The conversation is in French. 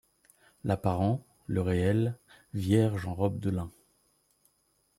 L’apparent, le réel, vierge en robe de lin